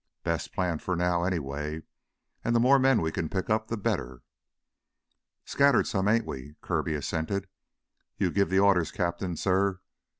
Best plan for now, anyway. And the more men we can pick up, the better." "Scattered some, ain't we?" Kirby assented. "You give the orders, Cap'n, suh.